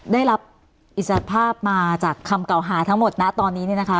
ได้รับอิสระภาพมาจากคำเก่าหาทั้งหมดนะตอนนี้เนี่ยนะคะ